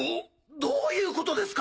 どういうことですか？